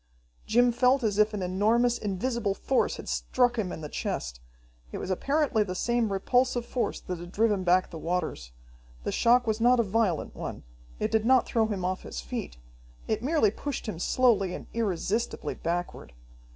Jim felt as if an enormous, invisible force had struck him in the chest. It was apparently the same repulsive force that had driven back the waters. The shock was not a violent one. It did not throw him off his feet. It merely pushed him slowly and irresistibly backward.